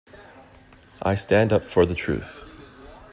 I stand up for the truth.